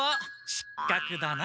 しっかくだな。